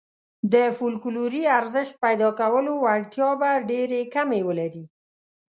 د فوکلوري ارزښت پيدا کولو وړتیا به ډېرې کمې ولري.